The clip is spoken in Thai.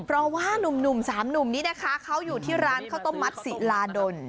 เพราะว่านุ่มสามหนุ่มนี้นะคะเขาอยู่ที่ร้านข้าวต้มมัดศิลาดล